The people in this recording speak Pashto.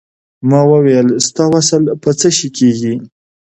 ما وویل ستا وصل په څه شی کېږي.